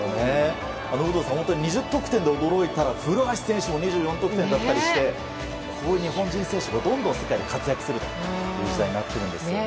有働さん、本当に２０得点で驚いたら古橋選手も２４得点だったりして日本人選手がどんどん世界で活躍するという時代になってるんですね。